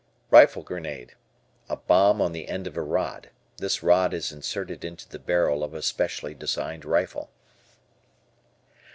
Rifle Grenade. A bomb on the end of a rod. This rod is inserted into the barrel of a specially designed rifle.